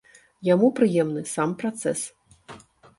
Яму прыемны сам працэс.